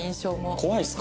怖いですか？